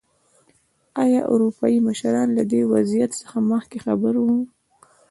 ایا اروپايي مشران له دې وضعیت څخه مخکې خبر وو.